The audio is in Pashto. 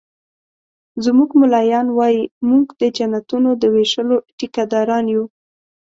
زموږ ملایان وایي مونږ د جنتونو د ویشلو ټيکه داران یو